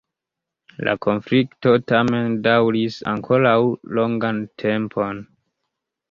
La konflikto tamen daŭris ankoraŭ longan tempon.